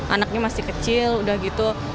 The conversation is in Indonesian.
anaknya masih kecil udah gitu